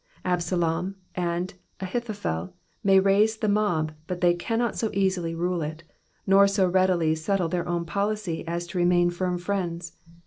Absalom and Ahithophel may raise the mob, but they cannot so easily rule it, nor so readily settle their own policy as to remain firm friends.